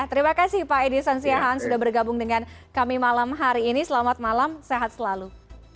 terima kasih pak edison siahaan sudah bergabung dengan kami malam hari ini selamat malam sehat selalu